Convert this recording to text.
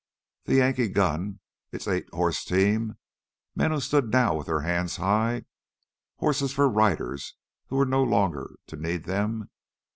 The Yankee gun, its eight horse team, men who stood now with their hands high, horses for riders who were no longer to need them.